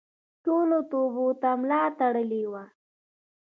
ټولو توبو ته ملا تړلې وه.